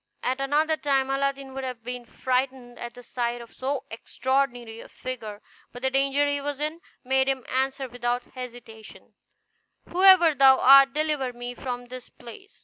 At another time Aladdin would have been frightened at the sight of so extraordinary a figure, but the danger he was in made him answer without hesitation, "Whoever thou art, deliver me from this place."